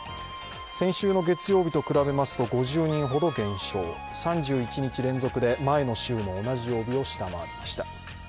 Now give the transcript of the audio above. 先週の月曜日と比べますと５０人ほど減少、３１日連続で前の週の同じ曜日を下回りました。